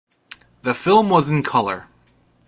The film was in colour.